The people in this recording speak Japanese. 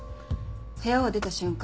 部屋を出た瞬間